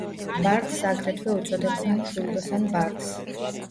ბარდს აგრეთვე უწოდებდნენ მშვილდოსან ბარდს.